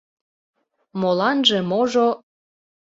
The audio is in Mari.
— Моланже-можо...